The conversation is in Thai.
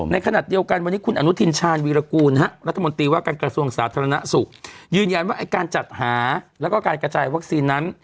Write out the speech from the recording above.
ในขณะเดียวกันวันนี้คุณอนุทินชาญวีรกูลรัฐมนตรีว่าการกระทรวงสาธารณสุขยืนยันว่าไอ้การจัดหาแล้วก็การกระจายวัคซีนนั้น